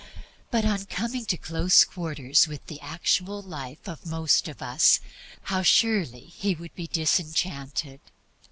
But on coming to close quarters with the actual life of most of us, how surely would he be disenchanted.